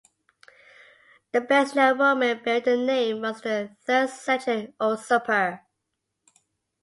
The best-known Roman bearing the name was the third-century usurper.